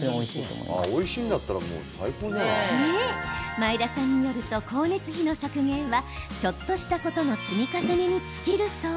前田さんによると光熱費の削減はちょっとしたことの積み重ねに尽きるそう。